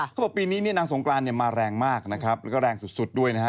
เขาบอกปีนี้เนี่ยนางสงกรานเนี่ยมาแรงมากนะครับแล้วก็แรงสุดด้วยนะฮะ